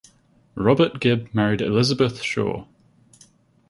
Robert Gibb married Elizabeth Schaw.